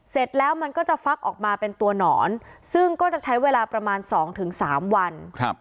เสร็จแล้วมันก็จะฟักออกมาเป็นตัวหนอนซึ่งก็จะใช้เวลาประมาณ๒๓วัน